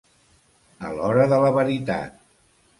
A l'hora de la veritat.